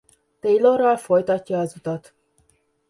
Taylorral folytatja az utat.